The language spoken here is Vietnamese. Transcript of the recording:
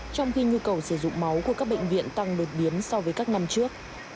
trong khi nhu cầu sử dụng máu của các bệnh viện tăng đột biến so với các năm trước